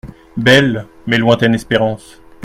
Belle, mais lointaine espérance.